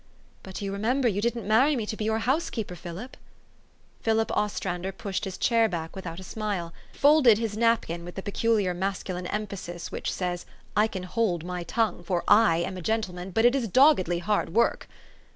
" But you remember you didn't marry me to be your housekeeper, Philip !" Philip Ostrander pushed his chair back without a smile, folded his napkin with the peculiar masculine emphasis which says, I can hold my tongue, for I am a gentleman ; but it is doggedly hard work